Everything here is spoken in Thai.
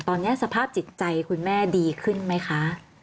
ตอนนี้สภาพจิตใจคุณแม่ดีขึ้นไหมคะ